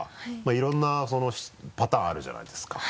いろんなパターンあるじゃないですか。